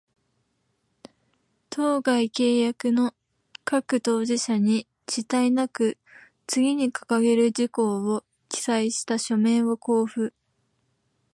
当該契約の各当事者に、遅滞なく、次に掲げる事項を記載した書面を交付